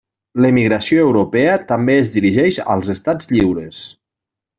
L'emigració europea també es dirigeix als estats lliures.